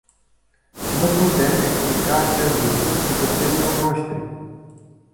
Nu putem explica acest lucru cetățenilor noștri.